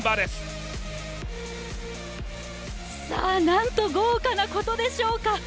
なんと豪華なことでしょうか。